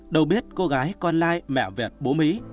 đâu biết cô gái con lai mẹ việt bố mỹ